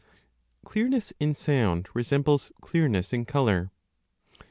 Clearness in sound resembles clearness in colour.